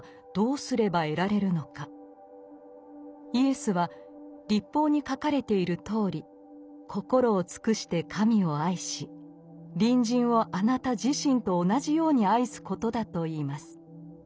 イエスは律法に書かれているとおり心を尽くして神を愛し隣人をあなた自身と同じように愛すことだと言います。